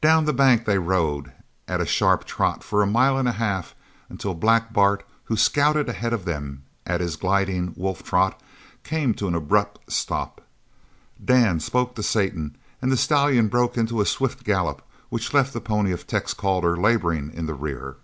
Down the bank they rode at a sharp trot for a mile and a half until Black Bart, who scouted ahead of them at his gliding wolf trot, came to an abrupt stop. Dan spoke to Satan and the stallion broke into a swift gallop which left the pony of Tex Calder labouring in the rear.